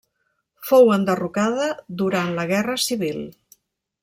Fou enderrocada durant la Guerra civil.